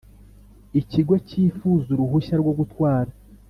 ikigo cyifuza uruhushya rwo gutwara